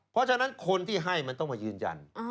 เพราะฉะนั้นคนที่ให้มันต้องมายืนยัน